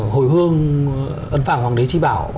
hồi hương ấn phạm hoàng đế trí bảo